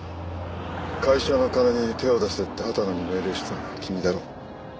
会社の金に手を出せって畑野に命令したのは君だろ？